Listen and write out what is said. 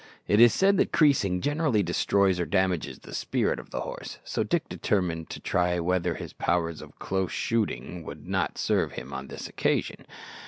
It is said that creasing generally destroys or damages the spirit of the horse, so Dick determined to try whether his powers of close shooting would not serve him on this occasion.